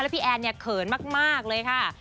พี่แอนเนี่ยเขินมากเลยค่ะ